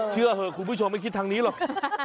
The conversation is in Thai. เชื่อเหอะคุณผู้ชมไม่คิดทางนี้หรอก